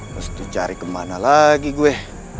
mesti cari kemana lagi gue